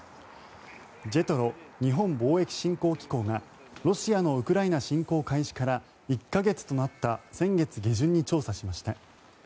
ＪＥＴＲＯ・日本貿易振興機構がロシアのウクライナ侵攻開始から１か月となった先月下旬に調査しました。